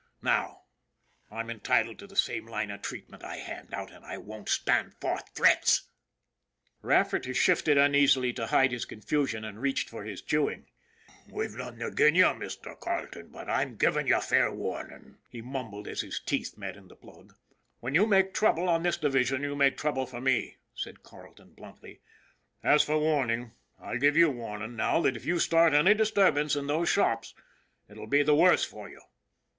Now, I'm entitled to the same line of treatment I hand out, and I won't stand for threats !" Rafferty shifted uneasily and to hide his confusion reached for his " chewing." " We've nothin' agin you, Mn Carleton, an' I'm givin' you fair warnin'," he mumbled as his teeth met in the plug. " When you make trouble on this division you make trouble for me," said Carleton bluntly. " As for warn ing, I give you warning now that if you start any dis turbance in those shops it will be the worse for you.